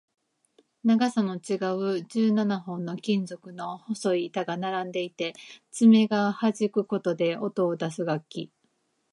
長さの違う十七本の金属の細い板が並んでいて、爪ではじくことで音を出す楽器